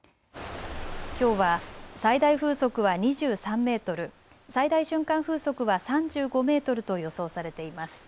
きょうは最大風速は２３メートル、最大瞬間風速は３５メートルと予想されています。